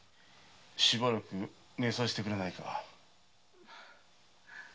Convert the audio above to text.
しばらく寝させてくれないか。